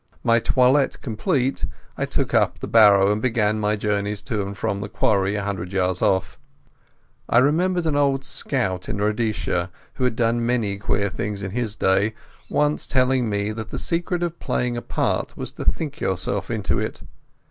My toilet complete, I took up the barrow and began my journeys to and from the quarry a hundred yards off. I remember an old scout in Rhodesia, who had done many queer things in his day, once telling me that the secret of playing a part was to think yourself into it.